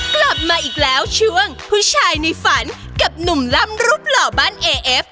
กลับมาอีกแล้วช่วงผู้ชายในฝันกับหนุ่มล่ำรูปหล่อบ้านเอเอฟ